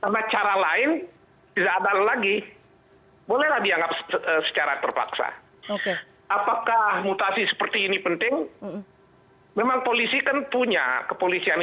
karena cara lain